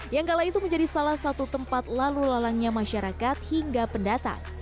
yang kala itu menjadi salah satu tempat lalu lalangnya masyarakat hingga pendatang